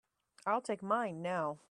I'll take mine now.